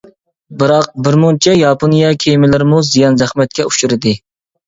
بىراق، بىرمۇنچە ياپونىيە كېمىلىرىمۇ زىيان-زەخمەتكە ئۇچرىدى.